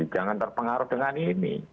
jangan terpengaruh dengan ini